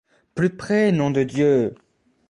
Plus près, nom de Dieu !